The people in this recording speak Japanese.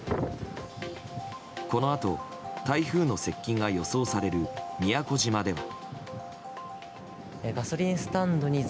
このあと台風の接近が予想される宮古島では。